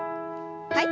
はい。